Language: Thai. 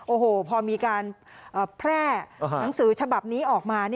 โอ้โหพอมีการแพร่หนังสือฉบับนี้ออกมา